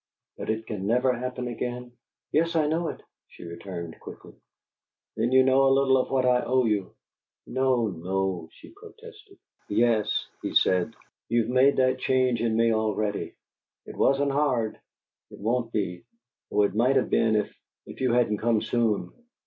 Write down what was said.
That it can never happen again?" "Yes, I know it," she returned, quickly. "Then you know a little of what I owe you." "No, no," she protested. "Yes," he said. "You've made that change in me already. It wasn't hard it won't be though it might have been if if you hadn't come soon."